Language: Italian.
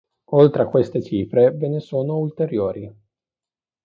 Oltre a queste cifre ve ne sono ulteriori.